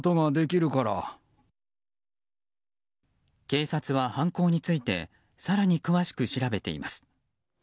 警察は犯行について更に詳しく調べています。